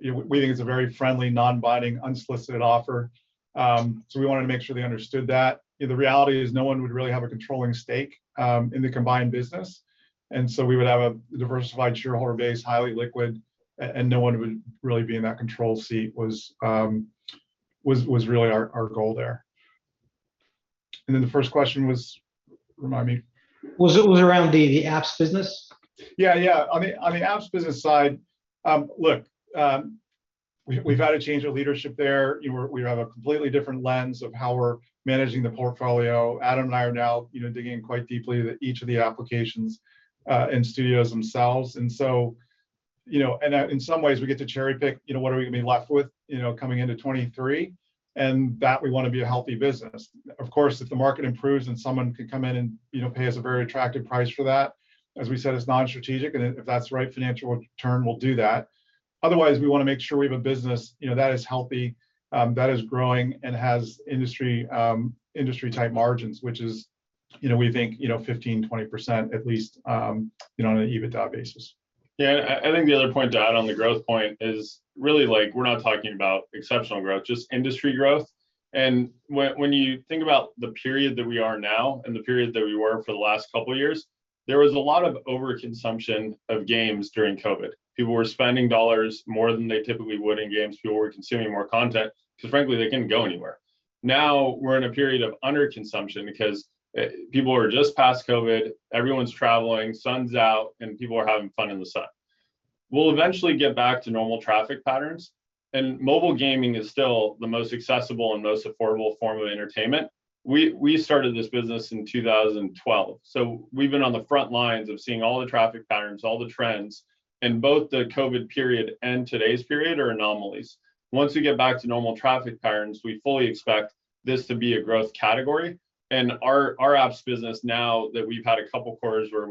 You know, we think it's a very friendly, non-binding, unsolicited offer, so we wanted to make sure they understood that. You know, the reality is no one would really have a controlling stake in the combined business. We would have a diversified shareholder base, highly liquid, and no one would really be in that control seat. That was really our goal there. The first question was, remind me. Well, it was around the apps business. Yeah, yeah. On the apps business side, look, we've had a change of leadership there. You know, we have a completely different lens of how we're managing the portfolio. Adam and I are now, you know, digging quite deeply into each of the applications and studios themselves. You know, in some ways we get to cherry-pick, you know, what are we gonna be left with, you know, coming into 2023, and that we wanna be a healthy business. Of course, if the market improves and someone could come in and, you know, pay us a very attractive price for that, as we said, it's non-strategic, and if that's the right financial return, we'll do that. Otherwise, we wanna make sure we have a business, you know, that is healthy, that is growing and has industry-type margins, which is, you know, we think, you know, 15%-20% at least, you know, on an EBITDA basis. Yeah, I think the other point to add on the growth point is really, like, we're not talking about exceptional growth, just industry growth. When you think about the period that we are now and the period that we were for the last couple of years, there was a lot of overconsumptions of games during COVID. People were spending dollars more than they typically would in games. People were consuming more content because frankly, they couldn't go anywhere. Now we're in a period of underconsumption because people are just past COVID. Everyone's traveling, sun's out, and people are having fun in the sun. We'll eventually get back to normal traffic patterns, and mobile gaming is still the most accessible and most affordable form of entertainment. We started this business in 2012, so we've been on the front lines of seeing all the traffic patterns, all the trends, and both the COVID period and today's period are anomalies. Once we get back to normal traffic patterns, we fully expect this to be a growth category. Our apps business, now that we've had a couple quarters where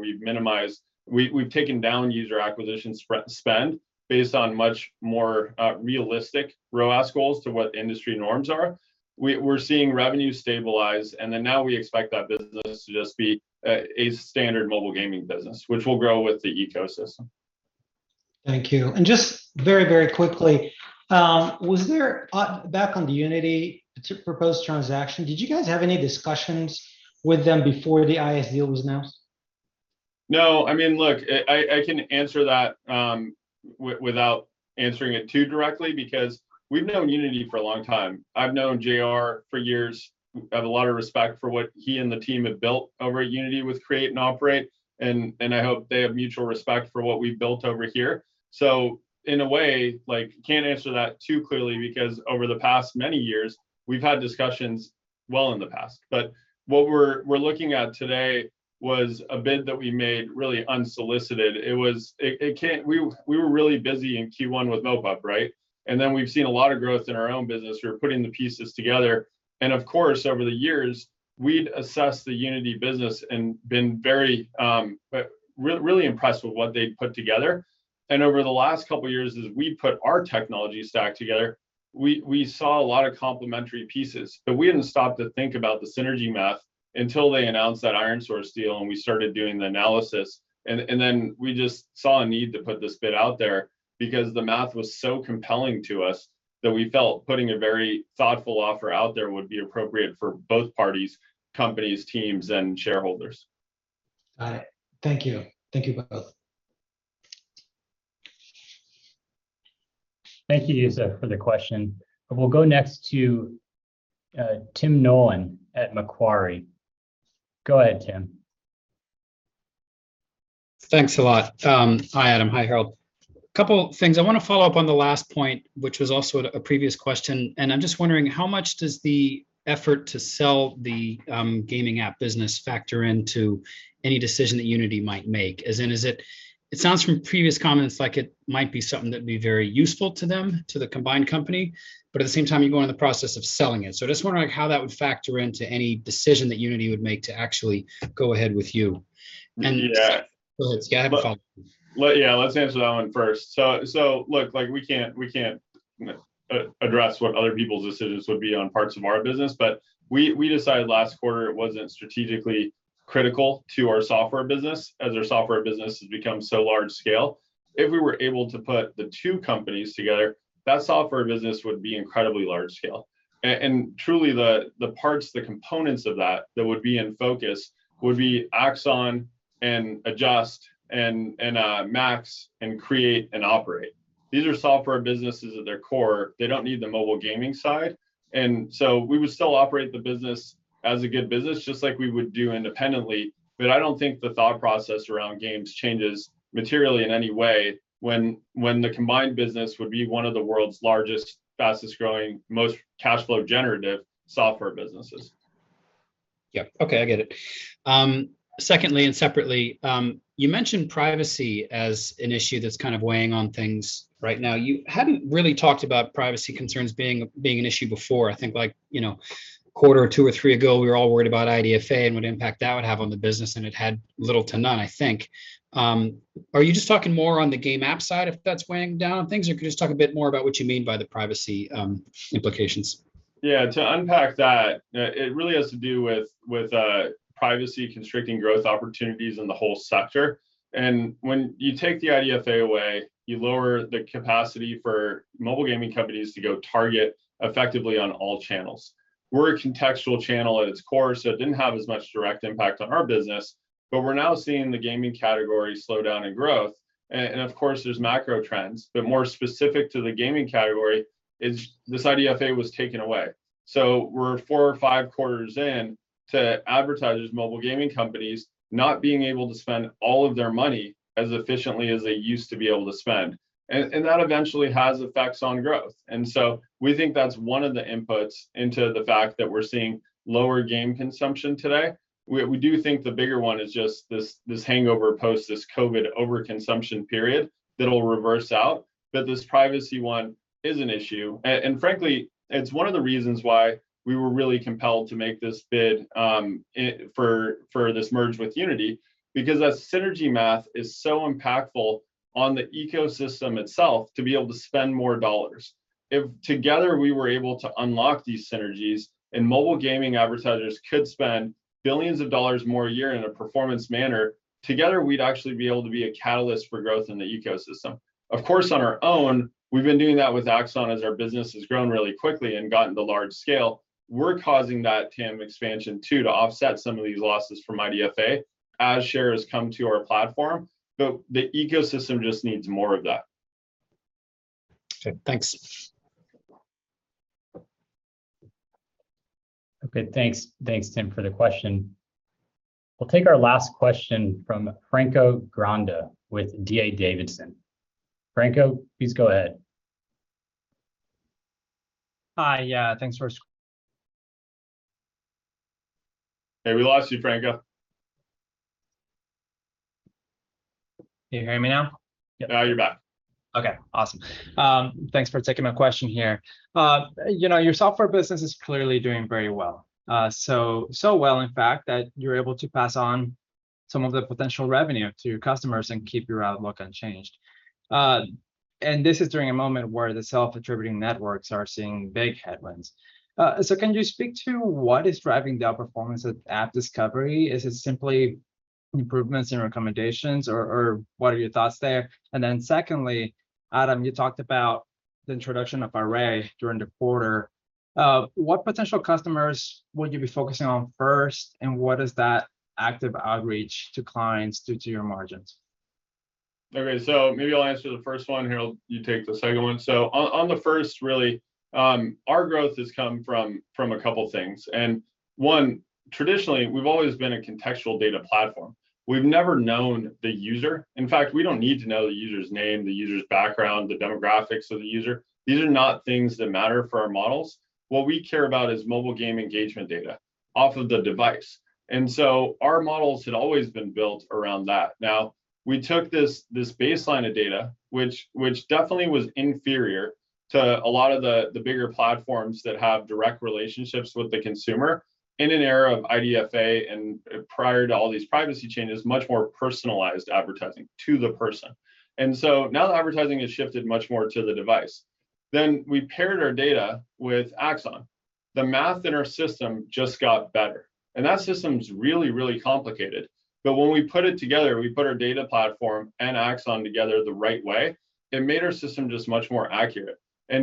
we've taken down user acquisition spend based on much more realistic ROAS goals to what industry norms are. We're seeing revenue stabilize, and then now we expect that business to just be a standard mobile gaming business, which will grow with the ecosystem. Thank you. Just very, very quickly, was there back on the Unity proposed transaction, did you guys have any discussions with them before the ironSource deal was announced? No. I mean, look, I can answer that without answering it too directly because we've known Unity for a long time. I've known JR for years. Have a lot of respect for what he and the team have built over at Unity with Create and Operate, and I hope they have mutual respect for what we've built over here. In a way, like, I can't answer that too clearly because over the past many years we've had discussions in the past. What we're looking at today was a bid that we made really unsolicited. It was. We were really busy in Q1 with MoPub, right? Then we've seen a lot of growth in our own business. We were putting the pieces together. Of course, over the years, we'd assessed the Unity business and been very, really impressed with what they'd put together. Over the last couple years, as we put our technology stack together, we saw a lot of complementary pieces. But we hadn't stopped to think about the synergy math until they announced that ironSource deal, and we started doing the analysis. Then we just saw a need to put this bid out there because the math was so compelling to us that we felt putting a very thoughtful offer out there would be appropriate for both parties, companies, teams, and shareholders. Got it. Thank you. Thank you both. Thank you, Youssef, for the question. We'll go next to Tim Nollen at Macquarie. Go ahead, Tim. Thanks a lot. Hi, Adam. Hi, Herald. Couple things. I wanna follow up on the last point, which was also a previous question, and I'm just wondering how much does the effort to sell the gaming app business factor into any decision that Unity might make? As in, it sounds from previous comments like it might be something that'd be very useful to them, to the combined company. But at the same time, you go on the process of selling it. So I'm just wondering how that would factor into any decision that Unity would make to actually go ahead with you. Yeah. Yeah, have a follow-up. Yeah, let's answer that one first. Look, like, we can't address what other people's decisions would be on parts of our business. We decided last quarter it wasn't strategically critical to our software business, as our software business has become so large scale. If we were able to put the two companies together, that software business would be incredibly large scale. Truly the parts, the components of that that would be in focus would be Axon and Adjust and MAX and Create and Operate. These are software businesses at their core. They don't need the mobile gaming side. We would still operate the business as a good business, just like we would do independently. I don't think the thought process around games changes materially in any way when the combined business would be one of the world's largest, fastest-growing, most cash flow generative software businesses. Yep. Okay. I get it. Secondly, and separately, you mentioned privacy as an issue that's kind of weighing on things right now. You hadn't really talked about privacy concerns being an issue before. I think like, you know, quarter or two or three ago, we were all worried about IDFA and what impact that would have on the business, and it had little to none, I think. Are you just talking more on the game app side, if that's weighing down things? Or can you just talk a bit more about what you mean by the privacy implications? Yeah. To unpack that, it really has to do with privacy constricting growth opportunities in the whole sector. When you take the IDFA away, you lower the capacity for mobile gaming companies to go target effectively on all channels. We're a contextual channel at its core, so it didn't have as much direct impact on our business, but we're now seeing the gaming category slowdown in growth. Of course there's macro trends, but more specific to the gaming category is this IDFA was taken away. We're four or five quarters in to advertisers, mobile gaming companies not being able to spend all of their money as efficiently as they used to be able to spend. That eventually has effects on growth. We think that's one of the inputs into the fact that we're seeing lower game consumption today. We do think the bigger one is just this hangover post this COVID overconsumption period that'll reverse out. This privacy one is an issue. Frankly, it's one of the reasons why we were really compelled to make this bid, for this merge with Unity, because that synergy math is so impactful on the ecosystem itself to be able to spend more dollars. If together we were able to unlock these synergies and mobile gaming advertisers could spend billions of dollars more a year in a performance manner, together, we'd actually be able to be a catalyst for growth in the ecosystem. Of course, on our own, we've been doing that with Axon as our business has grown really quickly and gotten to large scale. We're causing that TAM expansion too to offset some of these losses from IDFA as shares come to our platform, but the ecosystem just needs more of that. Okay, thanks. Okay, thanks. Thanks, Tim, for the question. We'll take our last question from Franco Granda with D.A. Davidson. Franco, please go ahead. Hi. Yeah, thanks for. Hey, we lost you, Franco. Can you hear me now? Now you're back. Okay. Awesome. Thanks for taking my question here. You know, your software business is clearly doing very well. So well in fact that you're able to pass on some of the potential revenue to your customers and keep your outlook unchanged. This is during a moment where the self-attributing networks are seeing big headwinds. So, can you speak to what is driving the outperformance at AppDiscovery? Is it simply improvements in recommendations or what are your thoughts there? And then secondly, Adam, you talked about the introduction of Array during the quarter. What potential customers would you be focusing on first, and what is that active outreach to clients do to your margins? Okay. Maybe I'll answer the first one, Herald, you take the second one. On the first really, our growth has come from a couple things, and one, traditionally we've always been a contextual data platform. We've never known the user. In fact, we don't need to know the user's name, the user's background, the demographics of the user. These are not things that matter for our models. What we care about is mobile game engagement data off of the device. Our models had always been built around that. Now, we took this baseline of data, which definitely was inferior to a lot of the bigger platforms that have direct relationships with the consumer in an era of IDFA and prior to all these privacy changes, much more personalized advertising to the person. Now that advertising has shifted much more to the device. We paired our data with Axon. The math in our system just got better, and that system's really, really complicated. When we put it together, we put our data platform and Axon together the right way, it made our system just much more accurate.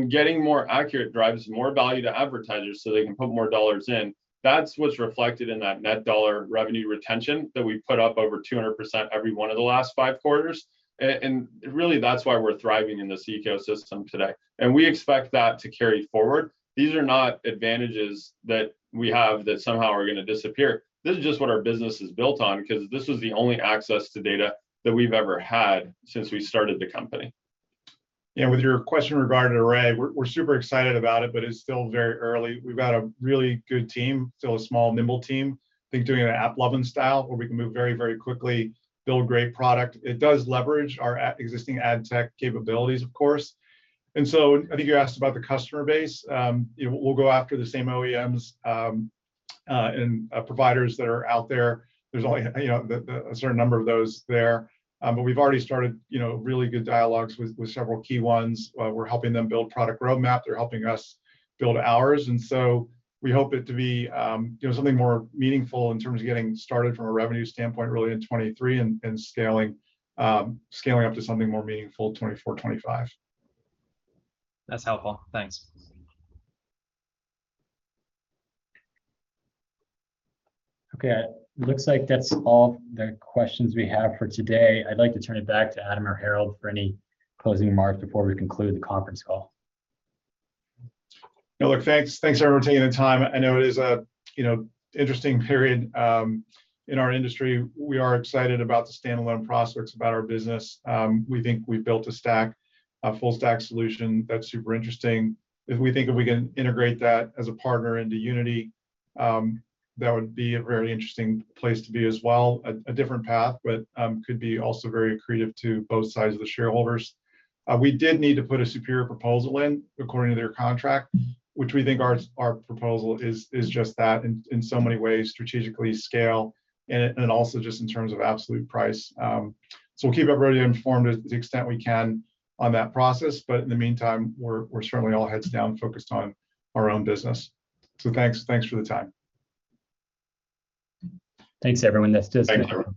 Getting more accurate drives more value to advertisers so they can put more dollars in. That's what's reflected in that net dollar revenue retention that we put up over 200% every one of the last five quarters. Really that's why we're thriving in this ecosystem today, and we expect that to carry forward. These are not advantages that we have that somehow are gonna disappear. This is just what our business is built on because this was the only access to data that we've ever had since we started the company. Yeah. With your question regarding Array, we're super excited about it, but it's still very early. We've got a really good team, still a small, nimble team. Think doing an AppLovin style where we can move very, very quickly, build great product. It does leverage our existing ad tech capabilities, of course. I think you asked about the customer base. We'll go after the same OEMs and providers that are out there. There's only a certain number of those there. But we've already started really good dialogues with several key ones. We're helping them build product roadmap. They're helping us build ours. We hope it to be, you know, something more meaningful in terms of getting started from a revenue standpoint really in 2023 and scaling up to something more meaningful in 2024, 2025. That's helpful. Thanks. Okay. It looks like that's all the questions we have for today. I'd like to turn it back to Adam or Harold for any closing remarks before we conclude the conference call. Yeah. Look, thanks. Thanks everyone for taking the time. I know it is a, you know, interesting period in our industry. We are excited about the standalone prospects about our business. We think we've built a stack, a full stack solution that's super interesting. If we think we can integrate that as a partner into Unity, that would be a very interesting place to be as well. A different path, but could be also very accretive to both sides of the shareholders. We did need to put a superior proposal in according to their contract, which we think our proposal is just that in so many ways, strategically scale and also just in terms of absolute price. We'll keep everybody informed to the extent we can on that process, but in the meantime, we're certainly all heads down focused on our own business. Thanks. Thanks for the time. Thanks everyone. Thanks everyone.